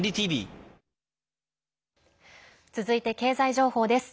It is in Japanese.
続いて経済情報です。